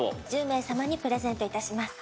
１０名様にプレゼントいたします。